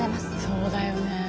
そうだよね。